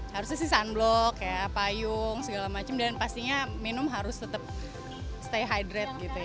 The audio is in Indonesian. harusnya sunblock payung segala macem dan pastinya minum harus tetap stay hydrate